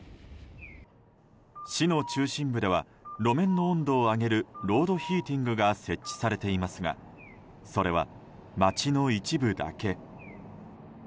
市の中心部では路面の温度を上げるロードヒーティングが設置されていますがそれは、街の一部だけ。